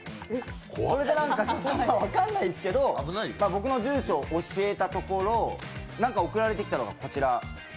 それで何か分からないですけど、僕の住所を教えたところ、なんか送られてきたのが、こちら。